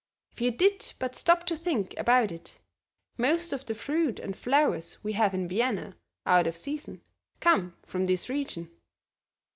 If you did but stop to think about it, most of the fruit and flowers we have in Vienna out of season come from this region."